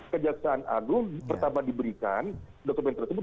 kejaksaan agung pertama diberikan dokumen tersebut